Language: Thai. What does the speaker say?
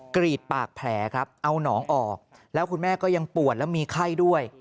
กรีดปากแผลครับเอาน้องออกแล้วคุณแม่ก็ยังปวดแล้วมีไข้ด้วย